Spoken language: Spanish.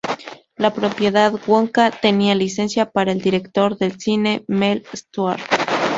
La propiedad 'Wonka' tenía licencia para el director de cine Mel Stuart.